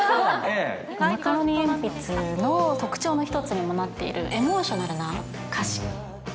マカロニえんぴつの特徴の一つにもなっているエモーショナルな歌詞。